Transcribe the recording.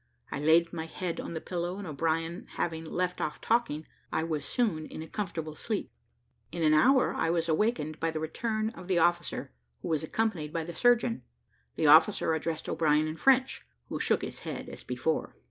I laid my head on the pillow, and O'Brien having left off talking, I was soon in a comfortable sleep. In an hour I was awakened by the return of the officer, who was accompanied by the surgeon. The officer addressed O'Brien in French, who shook his head as before.